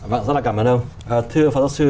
vâng rất là cảm ơn ông thưa phó giáo sư